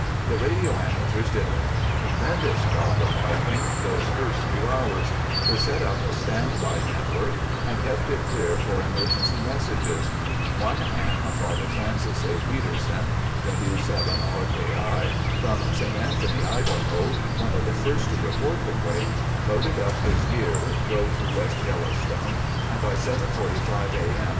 The radio amateurs did a tremendous job of helping those first few hours—they set up a standby network and kept it clear for emergency messages. One ham, Father Francis A. Peterson, (W7RKI), from St. Anthony, Idaho, one of the first to report the quake, loaded up his gear, drove to West Yellowstone, and by 7:45 A. M.